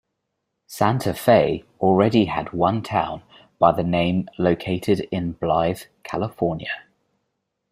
Santa Fe already had one town by the name located in Blythe, California.